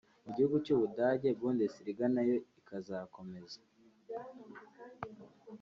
Mu gihugu cy’ u Budage Bundesliga nayo izakazakomeza